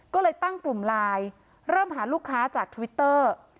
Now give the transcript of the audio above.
ก็เลยตั้งกลุ่มไลน์เริ่มหาลูกค้าจากทวิตเตอร์